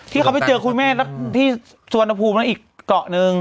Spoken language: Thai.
ที่เขาไปเจอคุณแม่ที่สุวรรณภูมิแล้วอีกเกาะหนึ่ง